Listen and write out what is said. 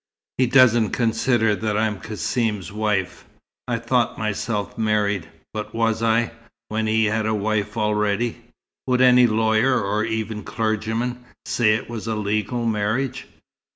He doesn't consider that I'm Cassim's wife. I thought myself married, but was I, when he had a wife already? Would any lawyer, or even clergyman, say it was a legal marriage?"